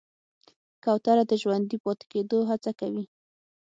کوتره د ژوندي پاتې کېدو هڅه کوي.